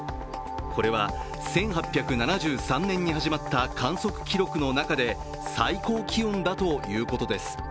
これは、１８７３年に始まった観測記録の中で最高気温だということです。